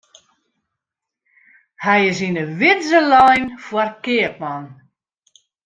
Hy is yn 'e widze lein foar keapman.